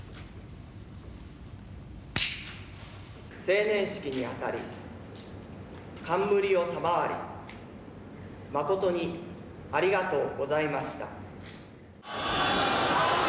成年式にあたり、冠を賜り誠にありがとうございました。